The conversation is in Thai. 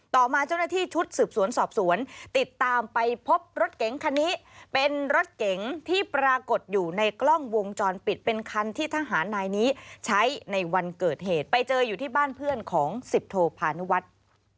ต่อมาเจ้าหน้าที่ชุดสืบสวนสอบสวนติดตามไปพบรถเก๋งคันนี้เป็นรถเก๋งที่ปรากฏอยู่ในกล้องวงจรปิดเป็นคันที่ทหารนายนี้ใช้ในวันเกิดเหตุไปเจออยู่ที่บ้านเพื่อนของสิบโทพานุวัฒน์